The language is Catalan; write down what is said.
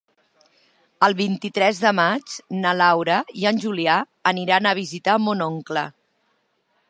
El vint-i-tres de maig na Laura i en Julià iran a visitar mon oncle.